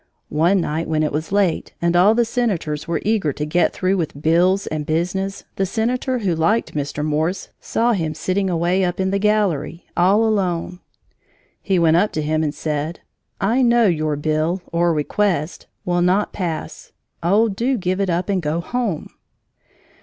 One night when it was late, and all the senators were eager to get through with bills and business, the senator who liked Mr. Morse saw him sitting away up in the gallery, all alone. He went up to him and said: "I know your bill (or request) will not pass. Oh, do give it up and go home!"